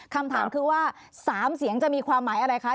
คำถามคือว่า๓เสียงจะมีความหมายอะไรคะ